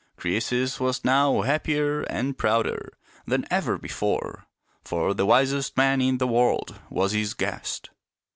Crcesus was now happier and prouder than ever before, for the wisest man in the world was his guest.